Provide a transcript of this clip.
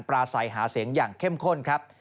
ปราศัยหาเสียงอย่างเข้มข้นครับ